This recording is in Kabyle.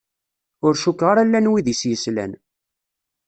Ur cukkeɣ ara llan wid i s-yeslan.